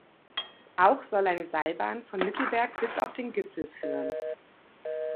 Auch soll eine Seilbahn von Mittelberg bis auf den Gipfel führen.